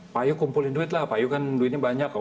pak ayu kumpulin duit lah pak ayu kan duitnya banyak